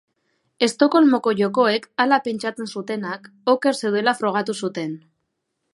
Estokolmoko jokoek, hala pentsatzen zutenak, oker zeudela frogatu zuten.